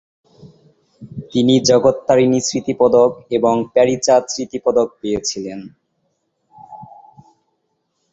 তিনি জগত্তারিনী স্মৃতি পদক এবং প্যারিচাঁদ স্মৃতি পদক পেয়েছিলেন।